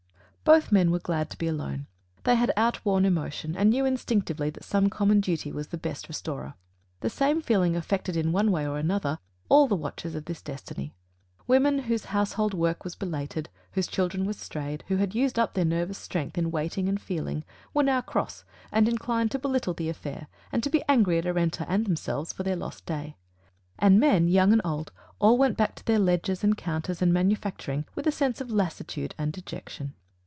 Both men were glad to be alone. They had outworn emotion and knew instinctively that some common duty was the best restorer. The same feeling affected, in one way or another, all the watchers of this destiny. Women whose household work was belated, whose children were strayed, who had used up their nervous strength in waiting and feeling, were now cross and inclined to belittle the affair and to be angry at Arenta and themselves for their lost day. And men, young and old, all went back to their ledgers and counters and manufacturing with a sense of lassitude and dejection.